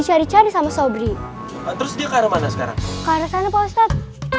kayaknya tadi saya ketemu dia deh di pasar